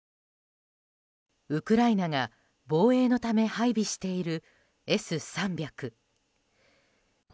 ウクライナが防衛のため配備しているＳ３００。